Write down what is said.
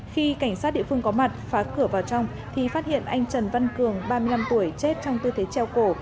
khi cảnh sát địa phương có mặt phá cửa vào trong thì phát hiện anh trần văn cường ba mươi năm tuổi chết trong tư thế treo cổ